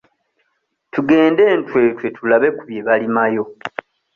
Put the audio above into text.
Tugende e Ntwetwe tulabe ku bye balimayo.